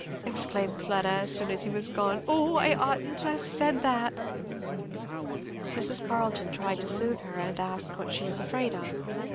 exclaimed Fleda as soon as he was gone. "O I oughtn't to have said that!" Mrs. Carleton tried to soothe her and asked what she was afraid of.